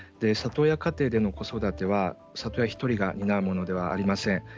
里親家庭での子育ては里親１人が担うものではありません。